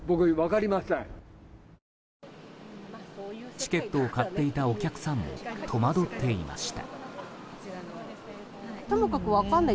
チケットを買っていたお客さんも戸惑っていました。